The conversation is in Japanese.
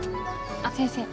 あっ先生。